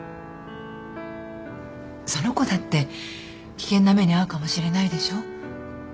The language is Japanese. その子だって危険な目に遭うかもしれないでしょ。